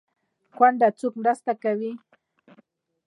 کونډه څوک مرسته کوي؟